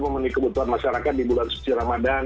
memenuhi kebutuhan masyarakat di bulan suci ramadan